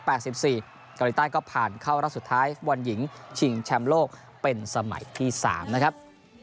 เกาหลีใต้ก็ผ่านเข้ารอบสุดท้ายบอลหญิงชิงแชมป์โลกเป็นสมัยที่๓นะครับ